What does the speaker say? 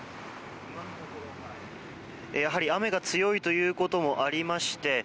雨が強いということもありまして